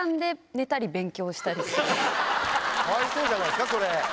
かわいそうじゃないですか。